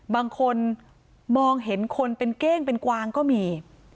บางคนมองเห็นคนเป็นเก้งเป็นกวางก็มี